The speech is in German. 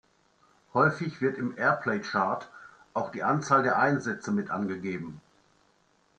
Häufig wird im Airplay-Chart auch die Anzahl der Einsätze mit angegeben.